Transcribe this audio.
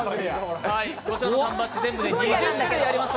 こちらの缶バッジ、全部で２０種類あります。